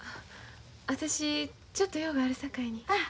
私ちょっと用があるさかいに。